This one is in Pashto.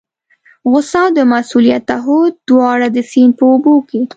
غوسه او د مسؤلیت تعهد دواړه د سیند په اوبو کې.